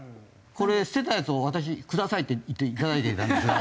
これ捨てたやつを私「ください」って言って頂いていたんですが。